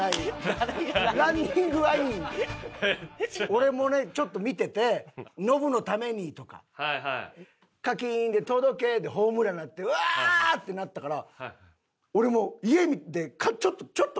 俺もねちょっと見てて「ノブのために」とかカキーンで「届け！」でホームランになってワーッてなったから俺も家で。